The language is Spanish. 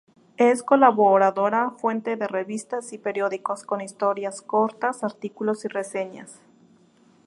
Es colaboradora frecuente de revistas y periódicos, con historias cortas, artículos y reseñas.